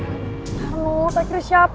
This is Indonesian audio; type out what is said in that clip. nunggu pacar siapa